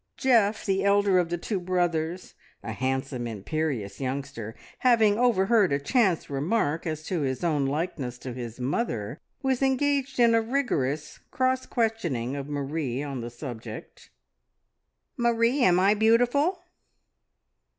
Geoff, the elder of the two brothers, a handsome, imperious youngster, having overheard a chance remark as to his own likeness to his mother, was engaged in a rigorous cross questioning of Marie, on the subject. "Marie, am I beautiful?"